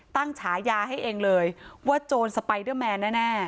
ฉายาให้เองเลยว่าโจรสไปเดอร์แมนแน่